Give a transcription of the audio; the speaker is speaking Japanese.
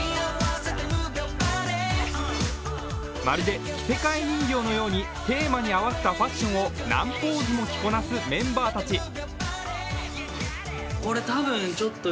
まるで着せ替え人形のようにテーマに合わせたファッションを何ポーズも着こなすメンバーたち。